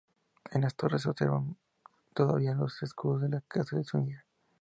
En las torres se observan todavía los escudos de la casa de Zúñiga.